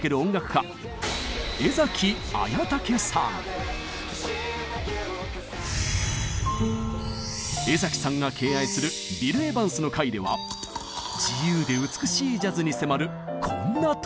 家江さんが敬愛する「ビル・エヴァンス」の回では自由で美しいジャズに迫るこんなトークも。